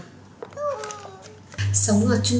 sống ở trung cư